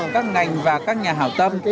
các ngành và các nhà hảo tâm